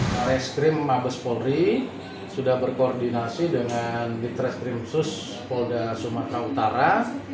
bareskrim mabespori sudah berkoordinasi dengan diktereskrim sus polda sumatera utara